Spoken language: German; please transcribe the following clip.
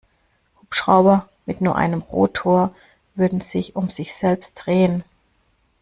Hubschrauber mit nur einem Rotor würden sich um sich selbst drehen.